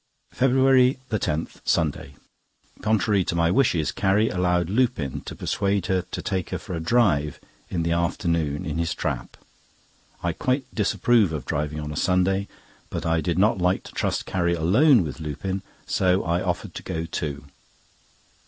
FEBRUARY 10, Sunday.—Contrary to my wishes, Carrie allowed Lupin to persuade her to take her for a drive in the afternoon in his trap. I quite disapprove of driving on a Sunday, but I did not like to trust Carrie alone with Lupin, so I offered to go too.